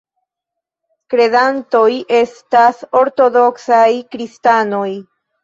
Kredantoj estas ortodoksaj kristanoj.